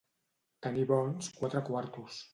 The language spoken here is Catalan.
Tenir bons quatre quartos.